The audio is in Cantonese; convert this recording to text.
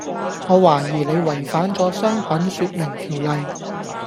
我懷疑你違反咗商品説明條例